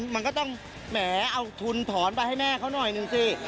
มันก็ต้องแหมเอาทุนถอนไปให้แม่เขาหน่อยหนึ่งสิ